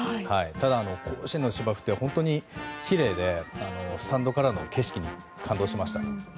ただ、甲子園の芝生って本当にきれいでスタンドからの景色にも感動しました。